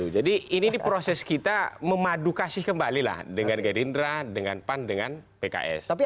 jadi ini proses kita memadukasih kembalilah dengan gerindra dengan pan dengan pks